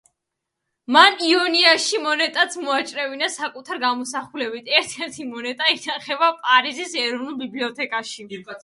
მან იონიაში მონეტაც მოაჭრევინა საკუთარი გამოსახულებით, ერთ-ერთი მონეტა ინახება პარიზის ეროვნულ ბიბლიოთეკაში.